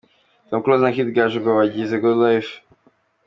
Tom Close na Kid Gaju ngo bagize Good Life.